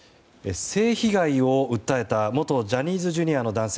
性被害を訴えた元ジャニーズＪｒ．の男性